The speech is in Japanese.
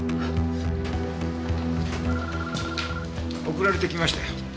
送られてきましたよ。